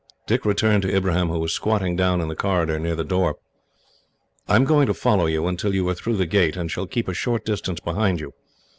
Dick returned to Ibrahim, who was squatting down in the corridor near the door. "I am going to follow you, until you are through the gate, and shall keep a short distance behind you.